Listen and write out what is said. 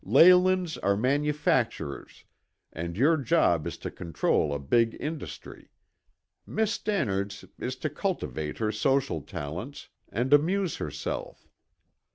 Leylands are manufacturers and your job is to control a big industry; Miss Stannard's is to cultivate her social talents and amuse herself.